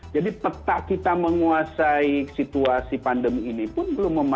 jadi peta kita menguasai situasi pandemi ini pun belum memadai